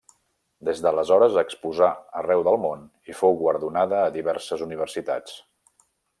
Des d'aleshores exposà arreu del món i fou guardonada a diverses universitats.